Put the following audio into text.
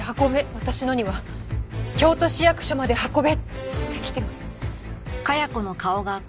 私のには「京都市役所まで運べ」ってきてます。